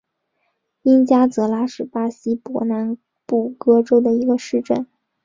因加泽拉是巴西伯南布哥州的一个市镇。